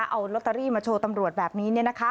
เอาลอตเตอรี่มาโชว์ตำรวจแบบนี้